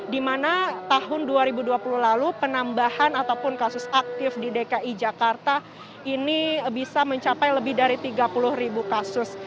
di mana tahun dua ribu dua puluh lalu penambahan ataupun kasus aktif di dki jakarta ini bisa mencapai lebih dari tiga puluh ribu kasus